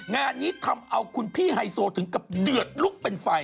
งานนี้ทำเอาคุณพี่ไฮโซถึงกับเดือดลุกเป็นไฟ